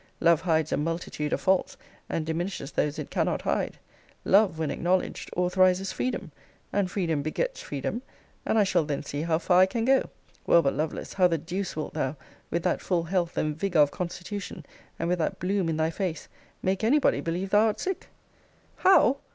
Love hides a multitude of faults, and diminishes those it cannot hide. Love, when acknowledged, authorizes freedom; and freedom begets freedom; and I shall then see how far I can go. Well but, Lovelace, how the deuce wilt thou, with that full health and vigour of constitution, and with that bloom in thy face, make any body believe thou art sick? How!